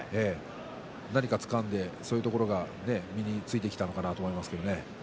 何かつかんで、そういうところが身についてきたのかなと思います。